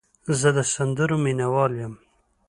زه د سندرو مینه وال یم.